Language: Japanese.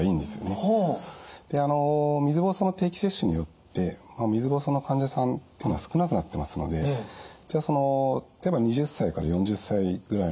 で水ぼうそうの定期接種によって水ぼうそうの患者さんっていうのは少なくなってますので例えば２０歳から４０歳ぐらいの子育て世代ですね。